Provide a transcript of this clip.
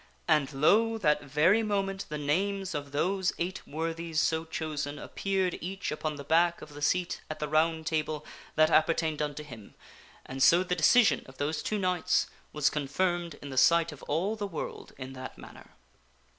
And, lo ! that very moment the names of those eight worthies so chosen appeared each upon the back of the seat at the Round Table that apper tained unto him, and so the decision of those two knights was confirmed in the sight of all the world in that manner.